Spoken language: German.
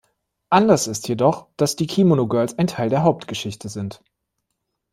Anders ist jedoch, dass die „Kimono-Girls“ ein Teil der Hauptgeschichte sind.